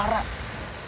nggak ada apa apa